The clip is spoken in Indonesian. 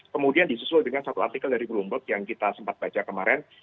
kemudian disusul dengan satu artikel dari bloomberg yang kita sempat baca kemarin